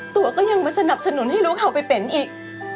ตัวก็ยังไม่สนับสนุนให้ลูกเขาไปเป็นอีก